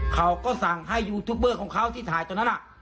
เขาก็สั่งให้ยูทูบเบอร์ของเขาที่ถ่ายตอนนั้น